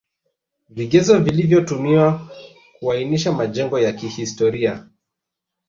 Vigezo vilivyotumiwa kuainisha majengo ya kihstoria